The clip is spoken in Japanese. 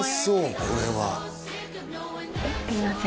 これはすいません